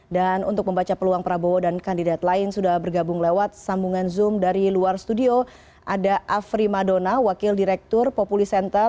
dan untuk membaca peluang prabowo dan kandidat lain sudah bergabung lewat sambungan zoom dari luar studio ada afri madona wakil direktur populisenter